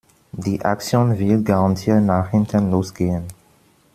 Die Aktion wird garantiert nach hinten los gehen.